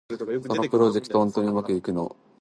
そのプロジェクト、本当にうまくいくと思ってるの？